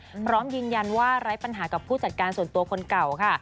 พร้อมยืนยันว่าไร้ปัญหากับผู้จัดการส่วนตัวคนเก่าค่ะ